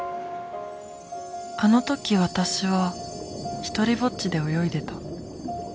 あの時私は独りぼっちで泳いでた。